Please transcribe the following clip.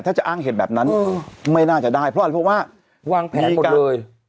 ถ้าจะอ้างเหตุแบบนั้นอืมไม่น่าจะได้เพราะอันพบว่าวางแผนหมดเลย